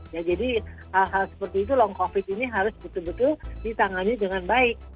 ya jadi hal hal seperti itu long covid ini harus betul betul ditangani dengan baik